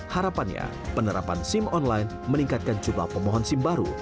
harapannya penerapan sim online meningkatkan jumlah pemohon sim baru